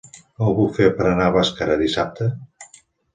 Com ho puc fer per anar a Bàscara dissabte?